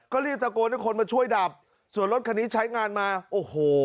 ก็รีบตะโกนให้คนมาช่วยดับส่วนรถคันนี้ใช้งานมาโอ้โห